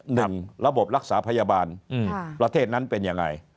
หนึ่งระบบรักษาพยาบาลประเทศนั้นเป็นอย่างไร